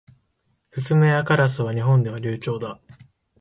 スズメやカラスは日本では留鳥だ。